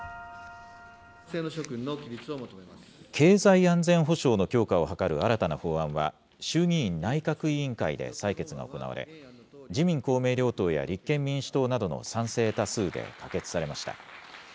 経済安全保障の強化を図る新たな法案は、衆議院内閣委員会で採決が行われ、自民、公明両党や立憲民主党などの賛成多数で可決されました。